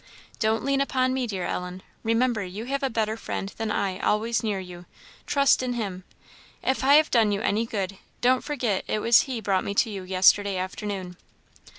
"Don't lean upon me, dear Ellen; remember you have a better Friend than I always near you; trust in Him; if I have done you any good, don't forget it was He brought me to you yesterday afternoon."